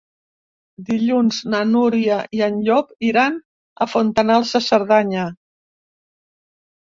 Dilluns na Núria i en Llop iran a Fontanals de Cerdanya.